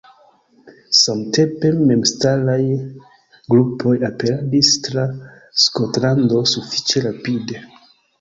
Samtempe memstaraj grupoj aperadis tra Skotlando sufiĉe rapide.